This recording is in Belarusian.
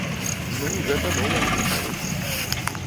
Ну, гэта новая тэхналогія.